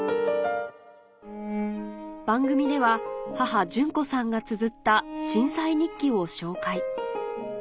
番組では母順子さんがつづった震災日記を紹介